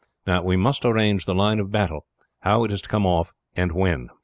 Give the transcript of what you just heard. Now, we must arrange the line of battle, how it is to come off, and when.